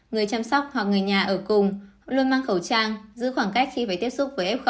người chăm sóc hoặc người nhà ở cùng luôn mang khẩu trang giữ khoảng cách khi phải tiếp xúc với f hai